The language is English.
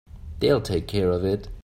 They'll take care of it.